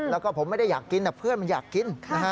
แล้วก็ผมไม่ได้อยากกินแต่เพื่อนมันอยากกิน